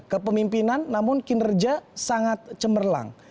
kepemimpinan namun kinerja sangat cemerlang